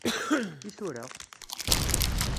I tura?